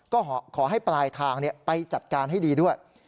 ก็ขอให้ปลายทางไปจัดการให้ดีด้วย